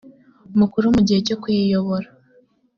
mukuru mu gihe cyo kuyiyobora